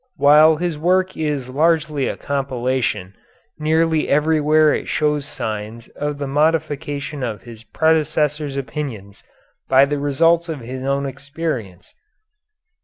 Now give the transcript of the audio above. While his work is largely a compilation, nearly everywhere it shows signs of the modification of his predecessors' opinions by the results of his own experience.